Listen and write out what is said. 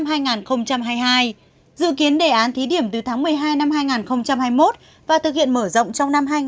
và năm hai nghìn hai mươi hai dự kiến đề án thí điểm từ tháng một mươi hai năm hai nghìn hai mươi một và thực hiện mở rộng trong năm hai nghìn hai mươi hai